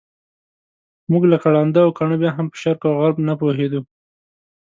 موږ لکه ړانده او کاڼه بیا هم په شرق او غرب نه پوهېدو.